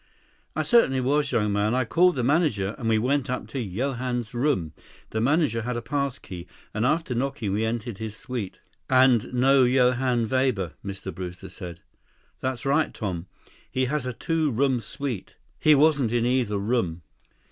"I certainly was, young man. I called for the manager, and we went up to Johann's room. The manager had a pass key, and, after knocking, we entered his suite." "And no Johann Weber," Mr. Brewster said. "That's right, Tom. He has a two room suite. He wasn't in either room."